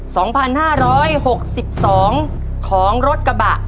สองพันห้าร้อยหกสิบสองของรถกระบะ